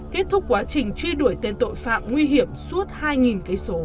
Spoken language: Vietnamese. kết thúc quá trình truy đuổi tên tội phạm nguy hiểm suốt hai km